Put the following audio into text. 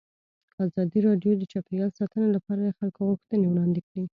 ازادي راډیو د چاپیریال ساتنه لپاره د خلکو غوښتنې وړاندې کړي.